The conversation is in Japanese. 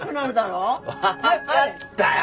わかったよ！